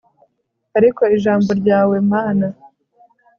ariko ijambo ryawe mana